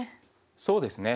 そうですね。